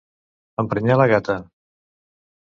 Emprenyar la gata.